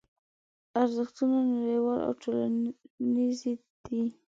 ارزښتونه نړیوال او ټولنیز دي.